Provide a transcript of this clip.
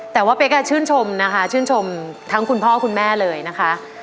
แต่ว่าเป๊กชื่นชมทั้งคุณพ่อคุณแม่เลยนะคะ